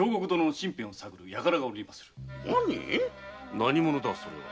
何者だそれは？